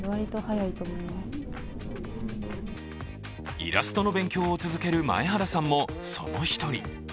イラストの勉強を続ける前原さんも、その１人。